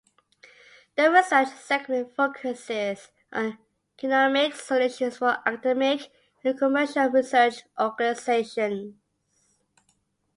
The research segment focuses on genomics solutions for academic and commercial research organizations.